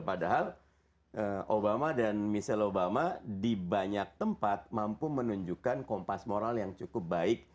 padahal obama dan michelle obama di banyak tempat mampu menunjukkan kompas moral yang cukup baik